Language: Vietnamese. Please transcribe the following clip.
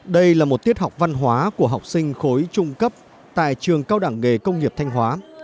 đây là một tiết học văn hóa của học sinh khối trung cấp tại trường cao đẳng nghề công nghiệp thanh hóa